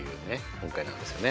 音階なんですよね。